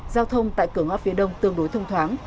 giao thông tại cửa ngõ phía đông tương đối thông thoáng